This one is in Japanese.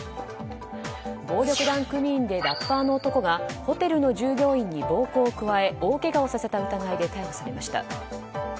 暴力団組員でラッパーの男がホテルの従業員に暴行を加え大けがをさせた疑いで逮捕されました。